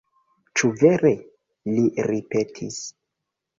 Ĉu vere!? li ripetis.